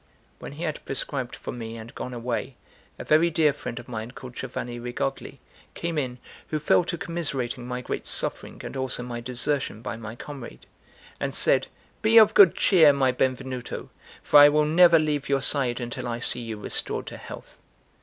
When he had prescribed for me and gone away, a very dear friend of mine, called Giovanni Rigogli, came in, who fell to commiserating my great suffering and also my desertion by my comrade, and said: "Be of good cheer, my Benvenuto, for I will never leave your side until I see you restored to health."